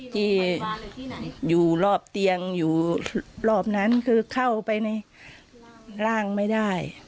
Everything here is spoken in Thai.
ที่อยู่รอบเตียงอยู่รอบนั้นคือเข้าไปในร่างไม่ได้